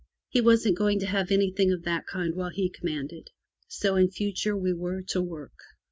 He wasn't going to have anything of that kind while he commanded, so in future we were to work.